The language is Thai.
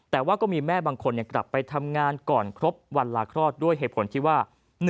แต่ว่าก็มีแม่บางคนกลับไปทำงานก่อนครบวันลาคลอดด้วยเหตุผลที่ว่า